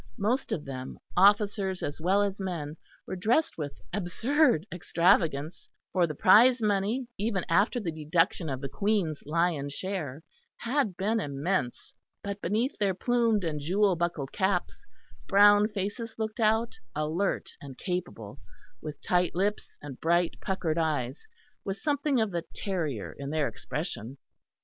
Most of them, officers as well as men, were dressed with absurd extravagance, for the prize money, even after the deduction of the Queen's lion share, had been immense, but beneath their plumed and jewel buckled caps, brown faces looked out, alert and capable, with tight lips and bright, puckered eyes, with something of the terrier in their expression.